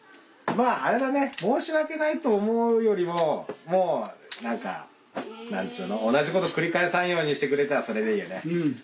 まぁあれだね申し訳ないと思うよりももう何か何つうの同じことを繰り返さんようにしてくれたらそれでいいよね。